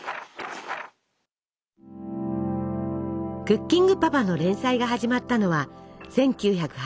「クッキングパパ」の連載が始まったのは１９８５年。